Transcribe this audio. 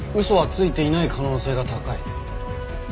嘘はついていない可能性が高い。